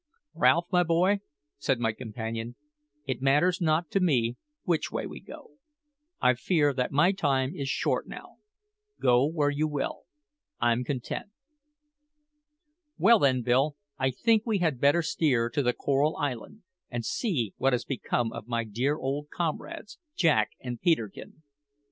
"Ralph, boy," said my companion, "it matters not to me which way we go. I fear that my time is short now. Go where you will; I'm content." "Well, then, Bill, I think we had better steer to the Coral Island and see what has become of my dear old comrades, Jack and Peterkin.